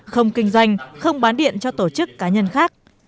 không kinh doanh không bán điện cho tổ chức cá nhân khác